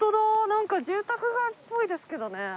なんか住宅街っぽいですけどね。